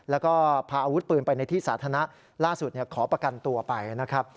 แล้วก็พาอาวุธปืนไปในที่สาธารณะล่าสุดขอประกันตัวไปนะครับ